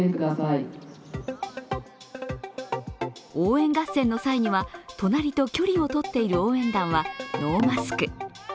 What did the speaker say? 応援合戦の際は隣と距離を取っている応援団はノーマスク。